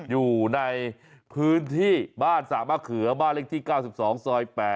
อยู่ในพื้นที่บ้านสระมะเขือบ้านเลขที่๙๒ซอย๘